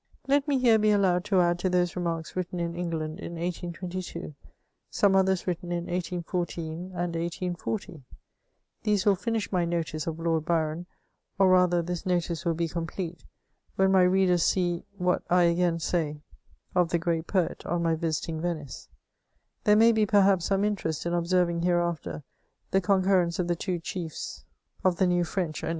Let me here be allowed to add to those remarks written in England in 1822, some oth^fs written in 1814 and 1840; these will finish my notice of Lord Byron, or rather this notice will be complete, when my readers see what I again say of the great poet, on my visiting Venice; There may be, perhaps, some interest in observing hereafter the concurrence of the two Msh of the new Freneh and CHATEAUBRUND.